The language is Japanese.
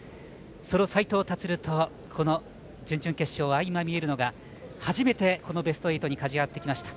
その斉藤立と準々決勝、相まみえるのが初めてこのベスト８に勝ち上がってきました。